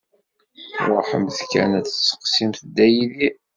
Ṛuḥemt kan ad testeqsimt Dda Yidir.